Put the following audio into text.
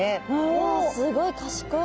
うわすごい賢い。